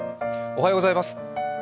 おはようございます。